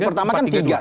di pertama kan tiga